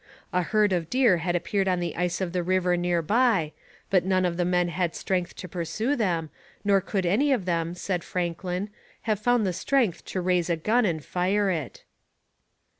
A herd of deer had appeared on the ice of the river near by, but none of the men had strength to pursue them, nor could any one of them, said Franklin, have found the strength to raise a gun and fire it.